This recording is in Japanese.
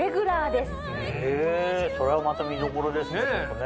へぇそれはまた見どころですね。